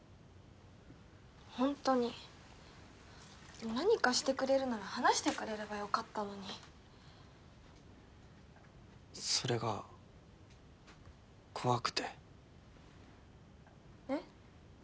本当に何かしてくれるなら話してくれればよかったのにそれが怖くてえっ？